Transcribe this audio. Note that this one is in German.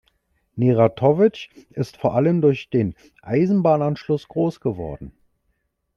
Neratovice ist vor allem durch den Eisenbahnanschluss groß geworden.